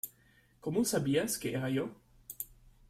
¿ Cómo sabías que era yo?